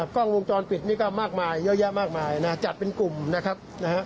กล้องวงจรปิดนี่ก็มากมายเยอะแยะมากมายนะจัดเป็นกลุ่มนะครับนะฮะ